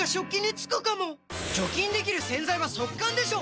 除菌できる洗剤は速乾でしょ！